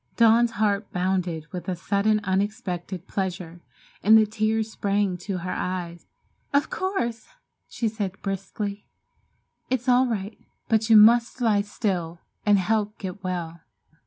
Dawn's heart bounded with a sudden, unexpected pleasure, and the tears sprang to her eyes. "Of course!" she said briskly, "it's all right, but you must lie still and help get well."